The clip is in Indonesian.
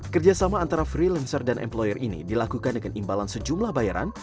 kerjasama antara freelancer dan employer ini dilakukan dengan imbalan sejumlah bayaran